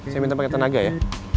saya minta pakai tenaga ya